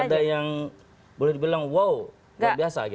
tidak ada yang boleh dibilang wow luar biasa gitu